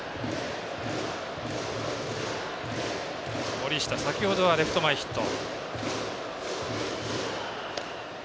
森下、先ほどはレフト前ヒット。